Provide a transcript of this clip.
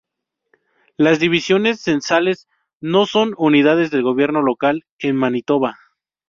Las divisiones censales no son unidades de gobierno local en Manitoba.